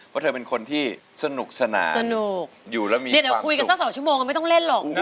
เพราะเธอเป็นคนที่สนุกสนานอยู่แล้วมีความสุขเดี๋ยวเดี๋ยวคุยกันเท่า๒ชั่วโมงกันไม่ต้องเล่นหรอก